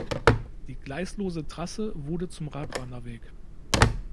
Die gleislose Trasse wurde zum Radwanderweg.